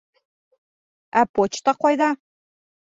Ә почта ҡайҙа?